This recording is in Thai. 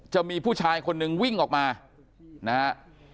จะมีผู้ชายคนหนึ่งวิ่งออกมานะฮะ